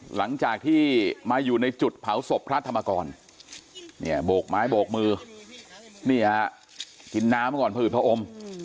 หลังจากที่มาอยู่ในจุดเผาศพพระธรรมกรนี่โบกไม้โบกมือเหมาะก่อนปืนเพ้าอม